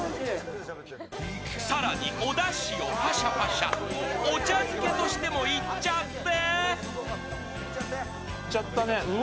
更に、おだしをパシャパシャお茶漬けとしてもいっちゃって！